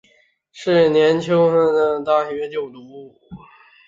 是年秋赴沪升入大同学校就读。